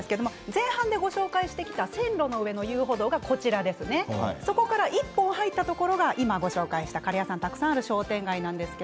前半でご紹介してきた線路の上の遊歩道から１本入ったところが今、ご紹介したカレー屋さんがたくさんある商店街です。